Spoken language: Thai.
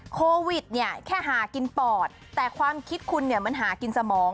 โควิดเนี่ยแค่หากินปอดแต่ความคิดคุณเนี่ยมันหากินสมอง